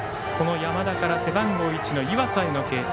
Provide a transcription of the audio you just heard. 山田から背番号１の岩佐への継投。